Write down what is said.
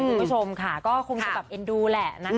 คุณผู้ชมค่ะก็คงจะแบบเอ็นดูแหละนะคะ